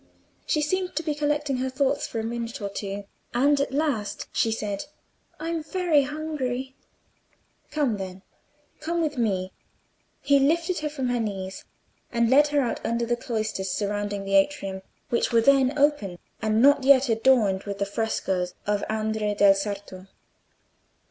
She seemed to be collecting her thoughts for a minute or two, and at last she said— "I'm very hungry." "Come, then; come with me." He lifted her from her knees, and led her out under the cloisters surrounding the atrium, which were then open, and not yet adorned with the frescoes of Andrea del Sarto.